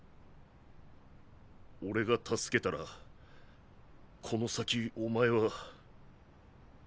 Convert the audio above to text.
俺が助けたらこの先おまえは。